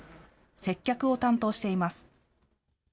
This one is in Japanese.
接客を担当しています。